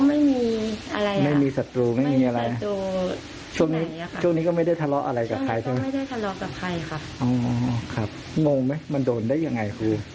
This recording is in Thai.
อะนิครูก็ไม่ได้สงสัยใครพอว่า